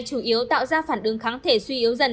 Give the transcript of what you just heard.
chủ yếu tạo ra phản ứng kháng thể suy yếu dần